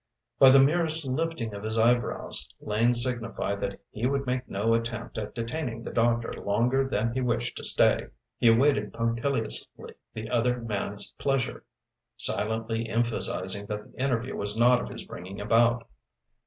By the merest lifting of his eyebrows, Lane signified that he would make no attempt at detaining the doctor longer than he wished to stay. He awaited punctiliously the other man's pleasure, silently emphasising that the interview was not of his bringing about.